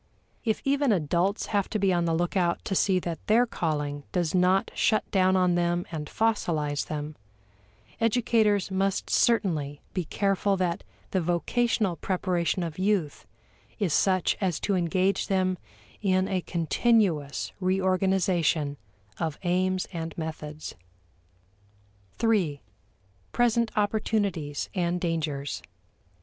If even adults have to be on the lookout to see that their calling does not shut down on them and fossilize them, educators must certainly be careful that the vocational preparation of youth is such as to engage them in a continuous reorganization of aims and methods. 3. Present Opportunities and Dangers.